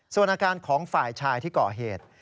ส่วนอาการของฝ่ายชายที่ก่อเหตุ